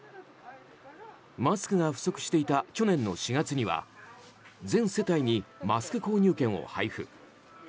マスクが不足していた去年の４月には全世帯にマスク購入券を配布。